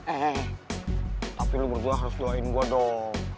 eh tapi lo berdua harus doain gue dong